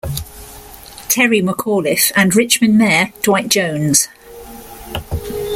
Terry McAuliffe and Richmond Mayor Dwight Jones.